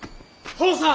父さん！